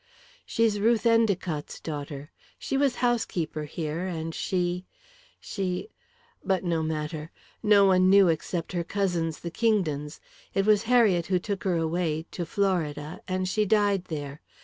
"She's Ruth Endicott's daughter. She was housekeeper here and she she But no matter. No one knew except her cousins, the Kingdons. It was Harriet who took her away to Florida and she died there.